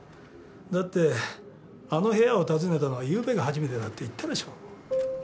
だってあの部屋を訪ねたのはゆうべが初めてだって言ったでしょ。